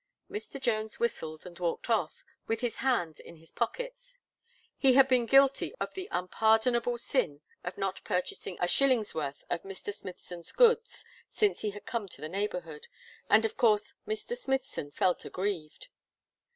Mr. Jones whistled, and walked off, with his hands in his pockets. He had been guilty of the unpardonable sin of not purchasing a shilling's worth of Mr. Smithson's goods since he had come to the neighbourhood, and of course Mr. Smithson felt aggrieved.